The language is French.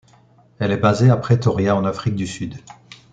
Elle est basée à Pretoria, en Afrique du Sud.